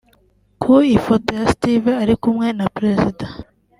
Ku ifoto ya Steven ari kumwe na Perezida